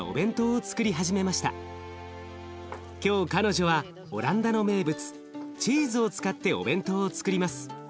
今日彼女はオランダの名物チーズを使ってお弁当をつくります。